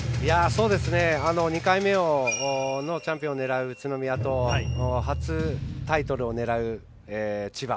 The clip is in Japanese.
２回目のチャンピオンを狙う宇都宮と初タイトルを狙う千葉。